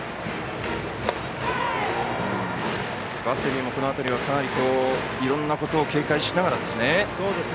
バッテリーもこの辺りは、かなりいろんなことを警戒しながら。